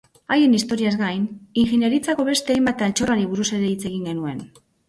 Haien historiaz gain, ingeniaritzako beste hainbat altxorrari buruz ere hitz egin genuen.